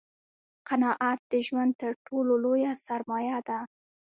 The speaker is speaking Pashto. قناعت دژوند تر ټولو لویه سرمایه ده